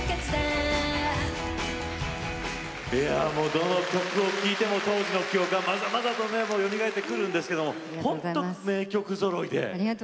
どの曲を聴いても当時の記憶がまざまざとよみがえってくるんですけれど本当に名曲ぞろいで。